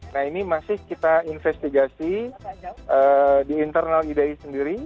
nah ini masih kita investigasi di internal idai sendiri